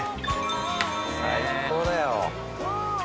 最高だよ。